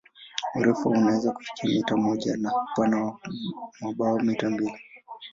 Urefu wao unaweza kufika mita moja na upana wa mabawa mita mbili.